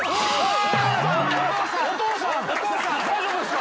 大丈夫ですか？